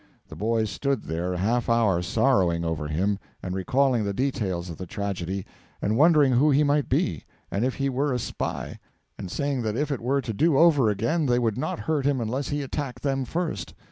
The boys stood there a half hour sorrowing over him, and recalling the details of the tragedy, and wondering who he might be, and if he were a spy, and saying that if it were to do over again they would not hurt him unless he attacked them first.